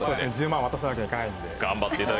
１０万渡すわけにいかないんで。